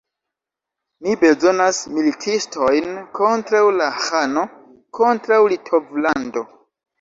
Mi bezonas militistojn kontraŭ la ĥano, kontraŭ Litovlando.